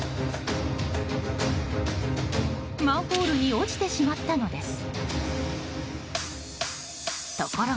マンホールに落ちてしまったのです。